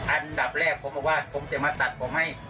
อันดับแรกผมบอกว่าผมจะมาตัดผมให้